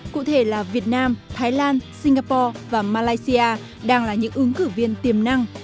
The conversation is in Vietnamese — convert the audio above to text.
cụ thể là việt nam thái lan singapore và malaysia đang là những ứng cử viên tiềm năng